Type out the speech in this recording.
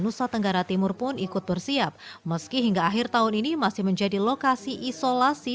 nusa tenggara timur pun ikut bersiap meski hingga akhir tahun ini masih menjadi lokasi isolasi